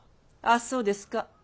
ああそうですか。